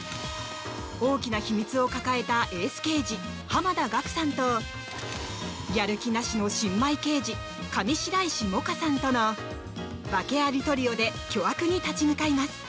大きな秘密を抱えたエース刑事濱田岳さんとやる気なしの新米刑事上白石萌歌さんとの訳ありトリオで巨悪に立ち向かいます。